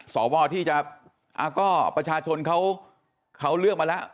สวที่จะก็ประชาชนเขาเลือกมาแล้ว